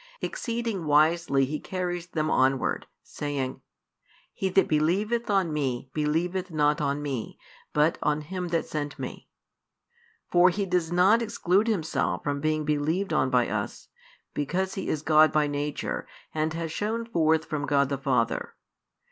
Exceeding wisely He carries them onwards, saying: He that believeth on Me believeth not on Me, but on Him that sent Me; for He does not exclude Himself from being believed on by us, because He is God by nature and has shone forth from God the Father.